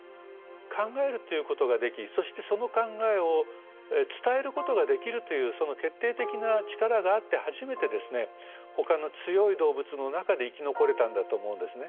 考えるということができそしてその考えを伝えることができるというその決定的な力があって初めてですねほかの強い動物の中で生き残れたんだと思うんですね。